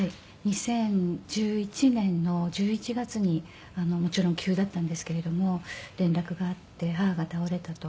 ２０１１年の１１月にもちろん急だったんですけれども連絡があって母が倒れたと。